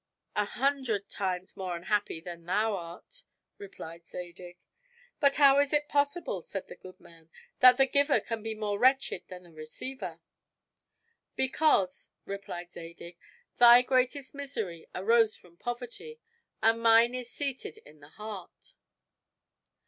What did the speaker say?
"An hundred times more unhappy than thou art," replied Zadig. "But how is it possible," said the good man, "that the giver can be more wretched than the receiver?" "Because," replied Zadig, "thy greatest misery arose from poverty, and mine is seated in the heart."